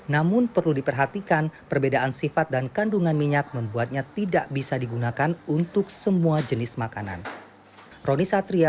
namun perlu diperhatikan perbedaan sifat dan kandungan minyak membuatnya tidak bisa digunakan untuk semua jenis makanan